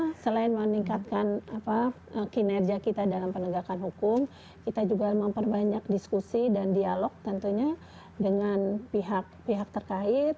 nah selain meningkatkan kinerja kita dalam penegakan hukum kita juga memperbanyak diskusi dan dialog tentunya dengan pihak pihak terkait